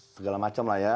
segala macam lah ya